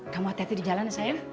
kamu hati hati di jalan ya sayang